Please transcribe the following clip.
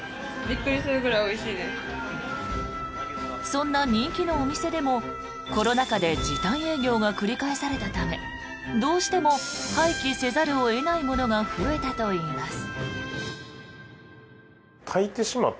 そんな人気のお店でもコロナ禍で時短営業が繰り返されたためどうしても廃棄せざるを得ないものが増えたといいます。